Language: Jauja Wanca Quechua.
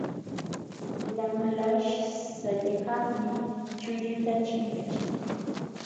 Lamlaśh saćhakaqmi chullita chinkachin.